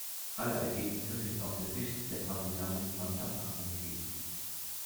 Alle Ergebnisse sind aus der Sicht der brasilianischen Mannschaft angegeben.